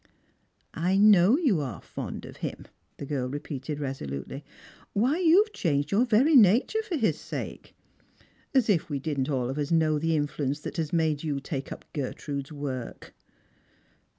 '* I know you are fond of him," the girl repeated resolutely. " Wliy, you've changed your very nature for his sake ! As if we didn't all of us know the influenoe that has made you take up Gertrude's work